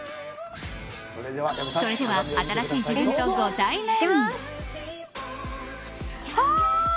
それでは新しい自分とご対面！